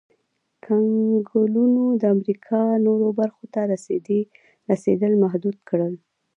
کنګلونو د امریکا نورو برخو ته رسېدل محدود کړل.